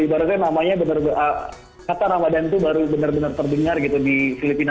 ibaratnya namanya benar benar kata ramadan itu baru benar benar terdengar gitu di filipina